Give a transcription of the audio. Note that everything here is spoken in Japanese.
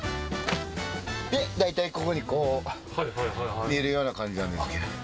大体ここにこう寝るような感じなんですけど。